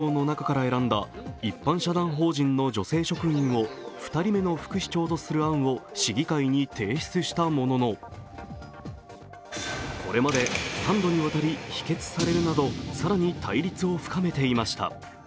その後、４０００人以上の中から選んだ、一般社団法人の女性職員を２人目の副市長とする案を市議会に提出したものの、これまで３度にわたり否決されるなど更に対立を深めていました。